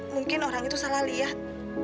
mungkin orang itu salah lihat